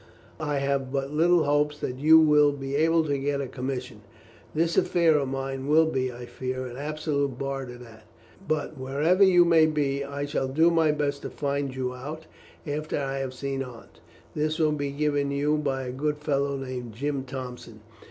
I have but little hope that you will be able to get a commission. This affair of mine will be, I fear, an absolute bar to that. But, wherever you may be, I shall do my best to find you out, after I have seen Aunt. This will be given you by a good fellow named Jim Thompson.